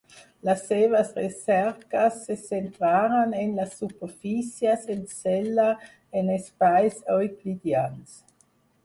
Les seves recerques se centraren en les superfícies en sella en espais euclidians.